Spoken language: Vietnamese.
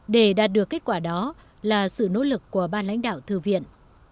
để đạt được kết quả đó là sự nỗ lực của ban lãnh đạo thư viện